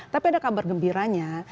tapi ada kabar gembiranya